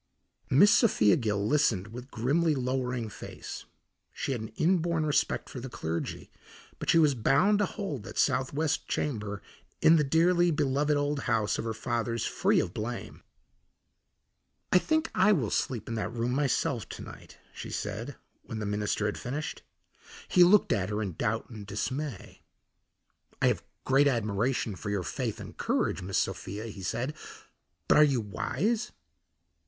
Miss Sophia Gill listened with grimly lowering face. She had an inborn respect for the clergy, but she was bound to hold that southwest chamber in the dearly beloved old house of her fathers free of blame. "I think I will sleep in that room myself to night," she said, when the minister had finished. He looked at her in doubt and dismay. "I have great admiration for your faith and courage, Miss Sophia," he said, "but are you wise?"